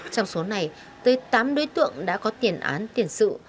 trong số này tới tám đối tượng đã có tiền án tiền sự